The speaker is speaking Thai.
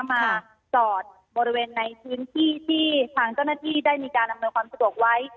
มาจอดบริเวณในพื้นที่ที่ทางเจ้าหน้าที่ได้มีการอำนวยความสะดวกไว้